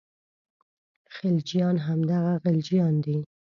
خلجیان همدغه غلجیان دي.